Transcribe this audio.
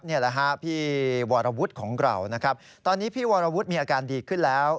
นี่แหละฮะพี่วรวุฒิของเรานะครับตอนนี้พี่วรวุฒิมีอาการดีขึ้นแล้ว